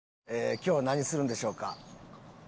今日は何するんでしょうか？